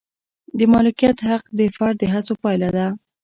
د مالکیت حق د فرد د هڅو پایله ده.